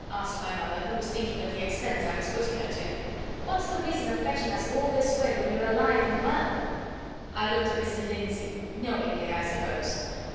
asked my mother, who was thinking of the expense I was putting her to. "What's the reason of fetching us all this way when you're alive and well?" I looked at Mr. Lindsey knowingly, I suppose.